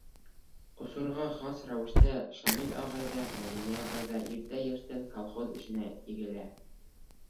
Осорға хас рәүештә Шамил ағай ҙа, Мәҙинә апай ҙа иртә йәштән колхоз эшенә егелә.